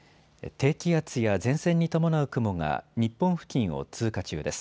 低気圧や前線に伴う雲が日本付近を通過中です。